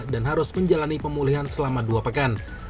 dan harus menjalani pemulihan selama dua pekan